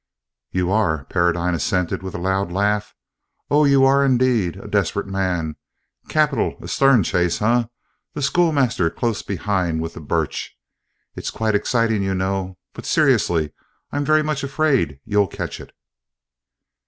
"You are," Paradine assented with a loud laugh, "oh, you are indeed! 'a desperate man.' Capital! a stern chase, eh? the schoolmaster close behind with the birch! It's quite exciting, you know, but, seriously, I'm very much afraid you'll catch it!"